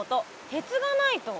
鉄がないと。